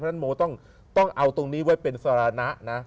ฉะโมต้องเอาตรงนี้ไว้เป็นสารณะนะ